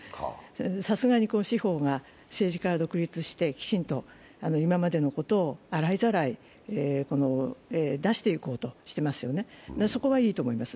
さすがに司法が、政治家が独立してきちんと今までのことを洗いざらい出していこうとしてますよね、そこはいいと思います。